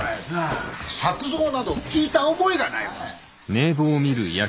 作藏など聞いた覚えがないわ。